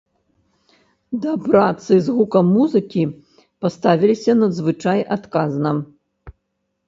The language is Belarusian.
Да працы з гукам музыкі паставіліся надзвычай адказна.